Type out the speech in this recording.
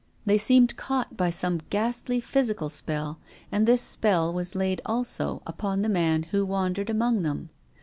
They seemed caught by some ghastly physical spell. And this spell was laid also upon the man who wandered among them.